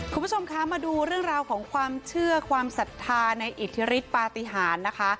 คุณผู้ชมคะมาดูเรื่องราวของความเชื่อความศรัทธาในอิทธิฤทธิปาติหารนะคะ